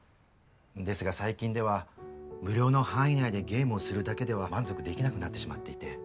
ですが最近では無料の範囲内でゲームをするだけでは満足できなくなってしまっていて。